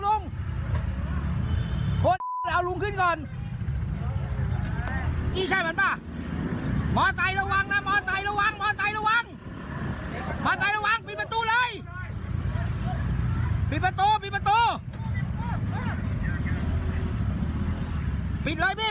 โอ๊ยคุณขับรถแบบสุดยอดมากเลยผมบอกเลย